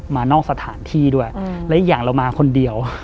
นอกสถานที่ด้วยและอีกอย่างเรามาคนเดียว